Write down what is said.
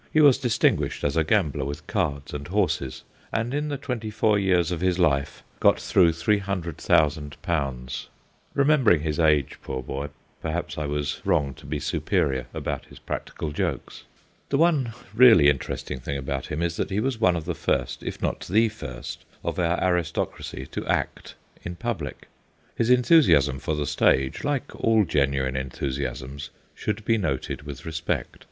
He was distinguished as a gambler with cards and horses, and in the twenty four years of his life got through 300,000. Remembering his age, poor boy, perhaps I was wrong to be superior about his practical jokes. The 144 THE GHOSTS OF PICCADILLY one really interesting thing about him is that he was one of the first, if not the first, of our aristocracy to act in public. His enthusiasm for the stage, like all genuine enthusiasms, should be noted with respect.